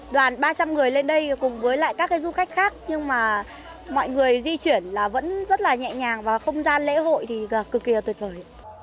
đoàn ba trăm linh người lên đây cùng với lại các du khách khác nhưng mà mọi người di chuyển là vẫn rất là nhẹ nhàng và không gian lễ hội thì cực kỳ tuyệt vời